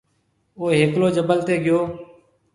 او ھيَََڪلو جبل تي گيو۔